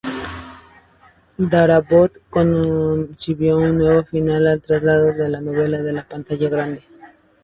Darabont concibió un nuevo final al trasladar la novela a la pantalla grande.